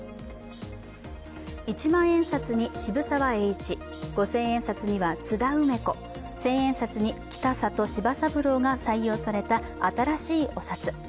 一万円札に渋沢栄一、五千円札には津田梅子千円札に北里柴三郎が採用された新しいお札。